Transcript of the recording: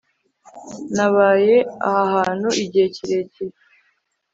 nabaye aha hantu igihe kirekire